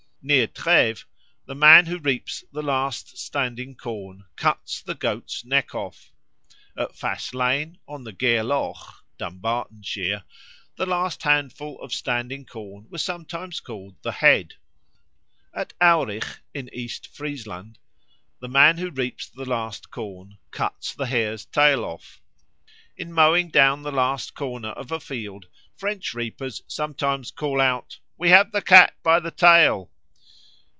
Near Trèves, the man who reaps the last standing corn "cuts the goat's neck off." At Faslane, on the Gareloch (Dumbartonshire), the last handful of standing corn was sometimes called the "head." At Aurich, in East Friesland, the man who reaps the last corn "cuts the hare's tail off." In mowing down the last corner of a field French reapers sometimes call out, "We have the cat by the tail."